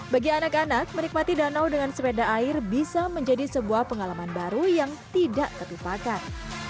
bagi anak anak menikmati danau dengan sepeda air bisa menjadi sebuah pengalaman baru yang tidak tertupakan